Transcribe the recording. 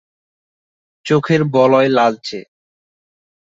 চোখের বলয় লালচে।